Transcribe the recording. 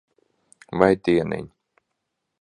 Vai dieniņ.